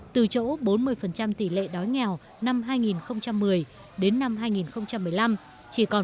từ chỗ bốn mươi tỷ lệ đói nghèo năm hai nghìn một mươi đến năm hai nghìn một mươi năm chỉ còn một mươi bốn theo tiêu chí mới